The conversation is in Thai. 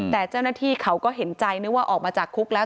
แต่เจ้าหน้าที่เขาก็เห็นใจนึกว่าออกมาจากคุกแล้ว